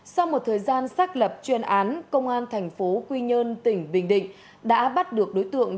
sau một thời gian xác lập chuyên án công an thành phố quy nhơn tỉnh bình định đã bắt được đối tượng